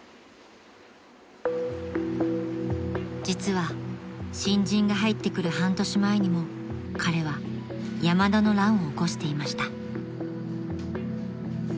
［実は新人が入ってくる半年前にも彼は山田の乱を起こしていました］